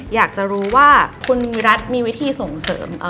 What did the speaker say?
อยากจะรู้ว่าคุณวิรัติมีวิธีส่งเสริม